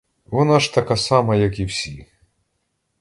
Вона ж така сама, як і всі.